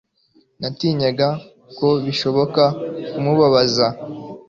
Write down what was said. Natinyaga ko bishobora kumubabaza